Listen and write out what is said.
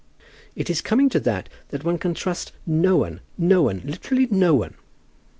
"It is coming to that that one can trust no one no one literally no one."